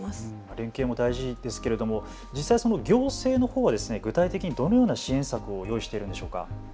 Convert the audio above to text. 連携も大事ですけれども実際、行政のほうは具体的にどのような支援策を用意しているのでしょうか。